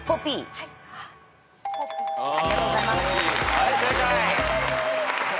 はい正解。